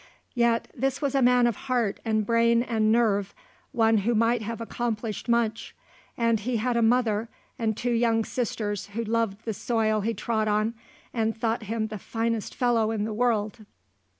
Yet this was a man of heart and brain and nerve, one who might have accomplished much; and he had a mother and two young sisters who loved the soil he trod on, and thought him the finest fellow in the world.